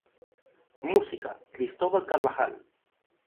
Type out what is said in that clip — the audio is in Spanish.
Música: Cristóbal Carvajal.